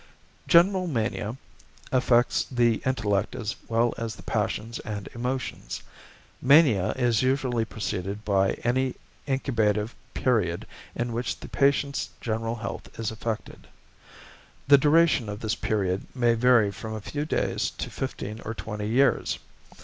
=General Mania= affects the intellect as well as the passions and emotions. Mania is usually preceded by an incubative period in which the patient's general health is affected. The duration of this period may vary from a few days to fifteen or twenty years.